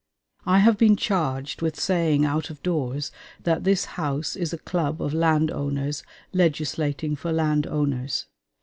I have been charged with saying out of doors that this House is a club of land owners legislating for land owners.